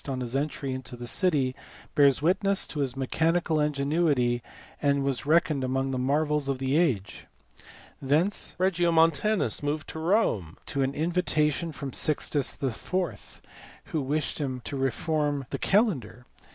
on his entry into the city, bears witness to his mechanical ingenuity and was reckoned among the marvels of the age. Thence Regiomontanus moved to Rome on an invitation from Sixtus IV. who wished him to reform the calendar.